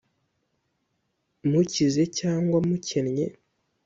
mukize cyangwa mukennye